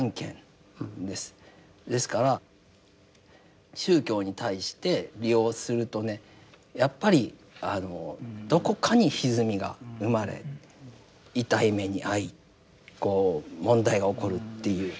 ですから宗教に対して利用するとねやっぱりどこかにひずみが生まれ痛い目に遭いこう問題が起こるっていう。